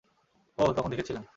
ওহ, তখন দেখেছিলাম।